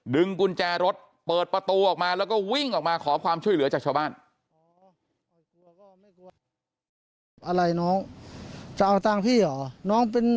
กุญแจรถเปิดประตูออกมาแล้วก็วิ่งออกมาขอความช่วยเหลือจากชาวบ้าน